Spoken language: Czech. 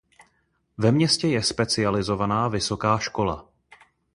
Ve městě je specializovaná vysoká škola.